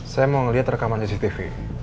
saya mau lihat rekaman cctv